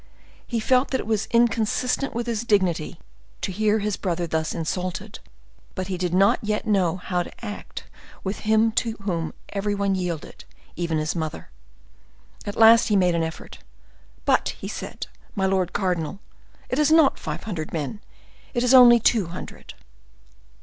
He felt that it was inconsistent with his dignity to hear his brother thus insulted, but he did not yet know how to act with him to whom every one yielded, even his mother. At last he made an effort. "But," said he, "my lord cardinal, it is not five hundred men, it is only two hundred."